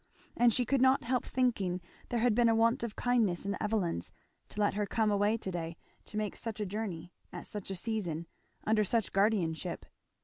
And she could not help thinking there had been a want of kindness in the Evelyns to let her come away to day to make such a journey, at such a season, under such guardianship.